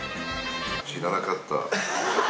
知らなかった。